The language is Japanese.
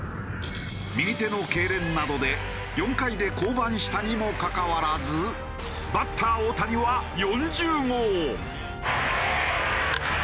右手のけいれんなどで４回で降板したにもかかわらずバッター大谷は４０号。